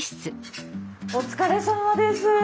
お疲れさまです。